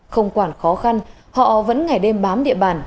không quản khó khăn họ vẫn ngày đêm bám địa bàn